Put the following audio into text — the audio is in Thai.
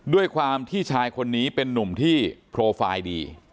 ด้วยความที่ชายคนนี้เป็นนุ่มที่โปรไฟล์ดี